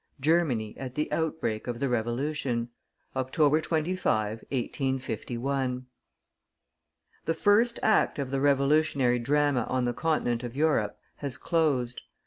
GERMANY AT THE OUTBREAK OF THE REVOLUTION. OCTOBER 25, 1851. The first act of the revolutionary drama on the continent of Europe has closed.